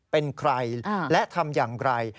เป็นใครและทำอย่างไร